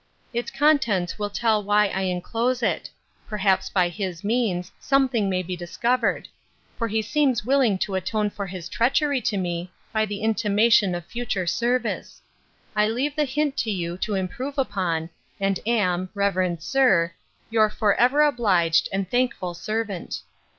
Its contents will tell why I enclose it. Perhaps by his means, something may be discovered; for he seems willing to atone for his treachery to me, by the intimation of future service. I leave the hint to you to improve upon, and am, 'Reverend Sir, 'Your for ever obliged, and thankful servant.